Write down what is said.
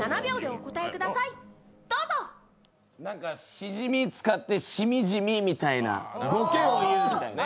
しじみ使って、「しみじみ」みたいなボケを言うみたいな。